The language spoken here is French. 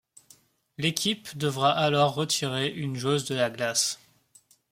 L'équipe devra alors retirer une joueuse de la glace.